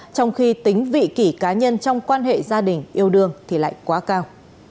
trong khi tính vị kỷ cá nhân trong quan hệ gia đình yêu đương thì lại quá cao